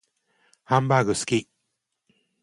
ハンバーグ好き